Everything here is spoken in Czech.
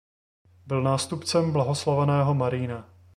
Byl nástupcem blahoslaveného Marina.